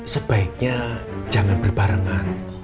sebaiknya jangan berbarengan